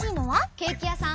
ケーキやさん！